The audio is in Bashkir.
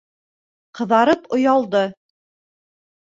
Ҡыҙарып оялды.